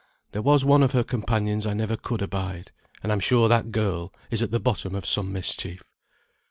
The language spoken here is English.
There was one of her companions I never could abide, and I'm sure that girl is at the bottom of some mischief.